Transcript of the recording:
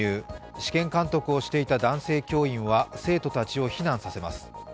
試験監督をしていた男性教員は生徒たちを避難させます。